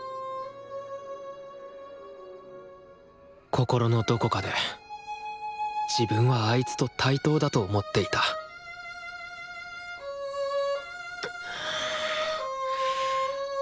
心のどこかで自分はあいつと対等だと思っていたくっ。